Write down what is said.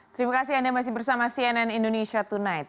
terima kasih anda masih bersama cnn indonesia tonight